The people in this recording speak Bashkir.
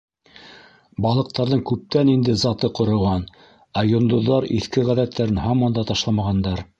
Балыҡтарҙың күптән инде заты ҡороған, ә йондоҙҙар иҫке ғәҙәттәрен һаман да ташламағандар.